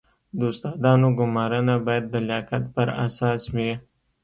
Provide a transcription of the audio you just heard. د استادانو ګمارنه باید د لیاقت پر اساس وي